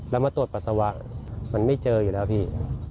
แล้วมาตรวจปัสสาวะมันไม่เจออยู่แล้วพี่